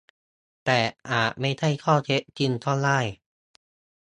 แต่อาจไม่ใช่ข้อเท็จจริงก็ได้